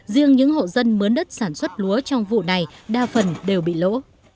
riêng những hộ dân mướn đất sản xuất lúa trong vụ này đa phần đều bị lỗ